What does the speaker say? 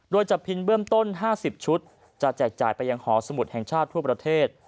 โดยจับพินเบื้องต้น๕๐ชุดจะแจกจ่ายไปยังหอสมุทรแห่งชาติทั่วประเทศ